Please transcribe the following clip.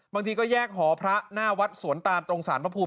บางทีก็แยกหพระหน้าวัฒน์หรงสารประภูมิ